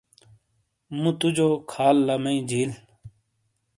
مُو تُو جو خال لا مئیی جِیل۔